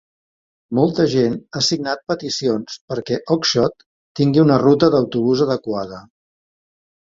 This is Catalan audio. Molta gent ha signat peticions perquè Oxshott tingui una ruta d'autobús adequada.